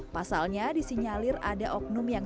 pasalnya disinyalir ada oknum yang